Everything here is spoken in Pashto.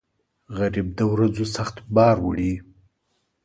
غریب د ورځو سخت بار وړي